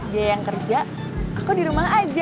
dia yang kerja aku di rumah aja